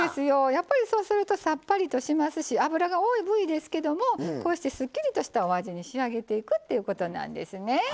やっぱりさっぱりしますし脂が多い部位ですけどもすっきりとしたお味に仕上げていくっていうことなんですね。